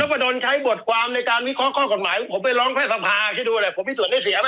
คุณนพดลใช้บทความในการวิเคราะห์ข้อกฎหมายผมไปร้องแพทย์สภาคเข้าดูอะไรผมพิสูจน์ได้เสียไหมล่ะ